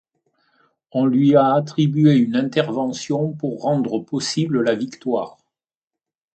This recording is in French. On lui a attribué une intervention pour rendre possible la victoire.